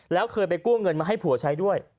แล้วเคยไปกู้เงินมาให้ผัวใช้ด้วย